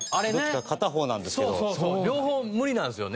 両方無理なんですよね。